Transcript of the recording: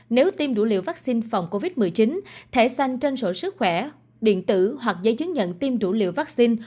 nếu tiêm đủ liều vaccine phòng covid một mươi chín thẻ xanh trên sổ sức khỏe điện tử hoặc giấy chứng nhận tiêm đủ liều vaccine